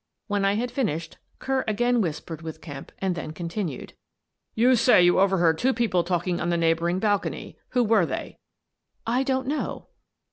When I had finished, Kerr again whispered with Kemp, and then continued: " You say you overheard two people talking on the neighbouring balcony. Who were they? "" I don't know."